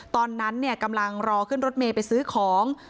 ตอนนั้นกำลังรอขึ้นรถเมย์ไปซื้อของ